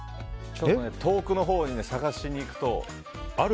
遠くのほうに探しに行くと。